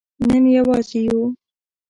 نن یوازې یو